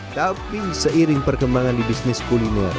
tapi seiring perkembangan di bisnis kuliner